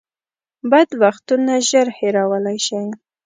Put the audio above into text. بد وختونه ژر هېرولی شئ .